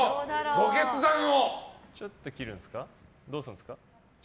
ご決断を。